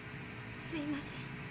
すいません。